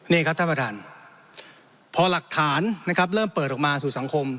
นี่ครับท่านประธานพอหลักฐานนะครับเริ่มเปิดออกมาสู่สังคม